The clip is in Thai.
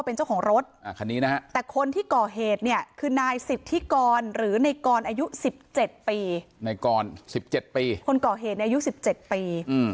ในกรสิบเจ็ดปีคนเกาะเหตุในอายุสิบเจ็ดปีอืม